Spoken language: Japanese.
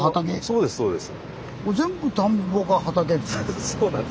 そうですそうです。